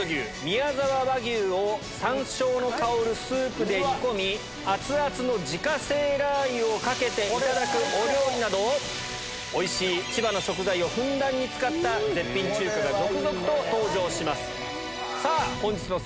山椒の香るスープで煮込み熱々の自家製ラー油をかけていただくお料理などおいしい千葉の食材をふんだんに使った絶品中華が続々と登場します。